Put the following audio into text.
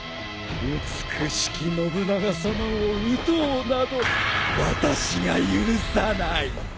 美しき信長さまを討とうなど私が許さない。